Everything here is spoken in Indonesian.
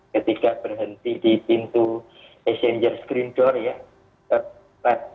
ketika berhenti di pintu exchanger screen door ya